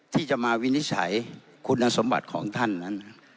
ที่จะมาวินิจฉัยคุณสมบัติของท่านนั้น